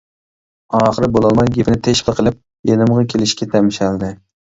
ئاخىرى بولالماي گېپىنى تېشىپلا قىلىپ يېنىمغا كېلىشكە تەمشەلدى.